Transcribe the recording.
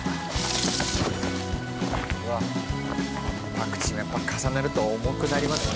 パクチーもやっぱ重なると重くなりますね。